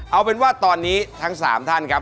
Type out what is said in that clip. เอาเป็นว่าตอนนี้ทั้ง๓ท่านครับ